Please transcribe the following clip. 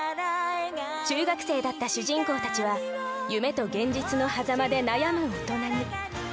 中学生だった主人公たちは夢と現実のはざまで悩む大人に。